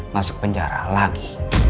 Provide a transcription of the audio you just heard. masuk penjara lagi